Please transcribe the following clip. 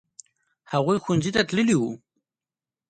هغوی ښوونځي ته تللي وو.